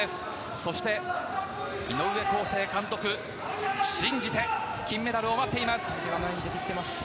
そして、井上康生監督も信じて金メダルを待っています。